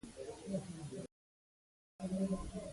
دا خبرې اترې رغوونکې دي.